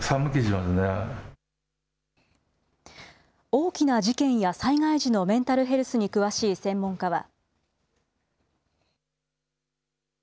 大きな事件や災害時のメンタルヘルスに詳しい専門家は。